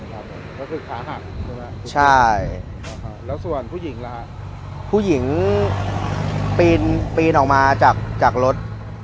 ก็คือขาหักใช่ไหมใช่แล้วส่วนผู้หญิงล่ะฮะผู้หญิงปีนออกมาจากรถ